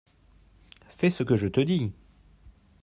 fais ce que je te dis.